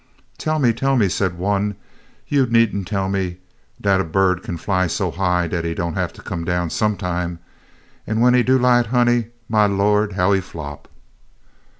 "Tell me, tell me," said one, "you need n't tell me dat a bird kin fly so high dat he don' have to come down some time. An' w'en he do light, honey, my Lawd, how he flop!"